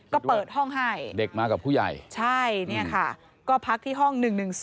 ก็เปิดห้องให้เด็กมากับผู้ใหญ่ใช่เนี่ยค่ะก็พักที่ห้อง๑๑๒